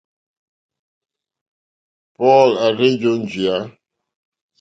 Paul à rzênjé ó njìyá.